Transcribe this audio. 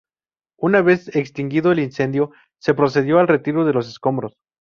Una vez extinguido el incendio, se procedió al retiro de los escombros.